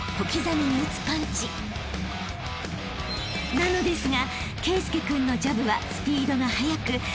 ［なのですが］